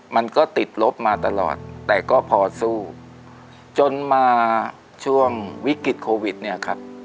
มันก็ติดลบมาตลอดแต่ก็พอสู้จนมาช่วงวิกฤตโควิดเนี่ยครับ